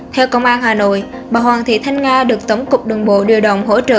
theo công an hà nội bà hoàng thị thanh nga được tổng cục đường bộ điều động hỗ trợ